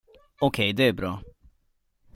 Okej, det är bra.